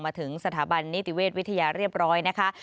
มาถึงสถาบันนิติเวชวิทยาเรียบร้อยนะคะ